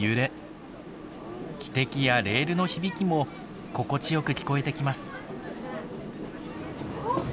汽笛やレールの響きも心地よく聞こえてきます。